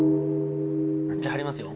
じゃあ貼りますよ。